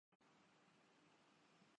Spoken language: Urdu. ہر روش کھنچ گئی کماں کی طرح